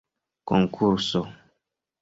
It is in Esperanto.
konkurso